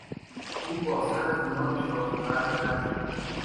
او با سر از میان شاخ و برگ رد شد.